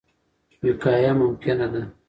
وقایه ممکنه ده.